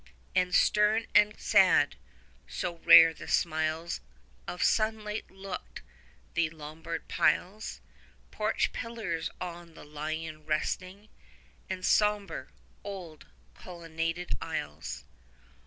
And stern and sad (so rare the smiles Of sunlight) looked the Lombard piles; Porch pillars on the lion resting, 55 And sombre, old, colonnaded aisles.